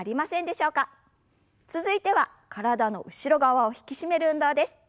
続いては体の後ろ側を引き締める運動です。